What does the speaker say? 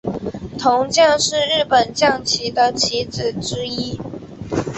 铜将是日本将棋的棋子之一。